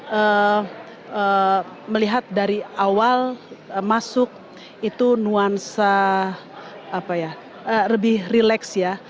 saya melihat dari awal masuk itu nuansa lebih relax ya